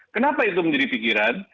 kenapa itu menjadi pikiran